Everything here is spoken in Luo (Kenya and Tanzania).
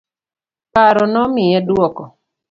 Paro nomiye duoko.